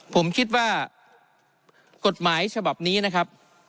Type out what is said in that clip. ผมคิดว่ากฎหมายฉบับนี้นะครับ